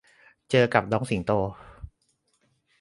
เจอกับน้องสิงโต